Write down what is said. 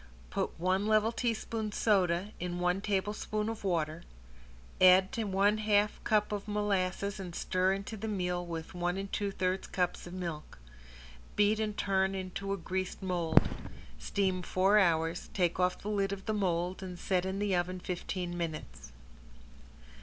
Put one level teaspoon soda in one tablespoon of water, add to one half cup of molasses and stir into the meal with one and two thirds cups of milk. Beat and turn into a greased mold. Steam four hours, take off the lid of the mold and set in the oven fifteen minutes.